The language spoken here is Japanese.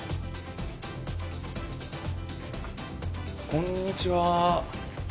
こんにちは。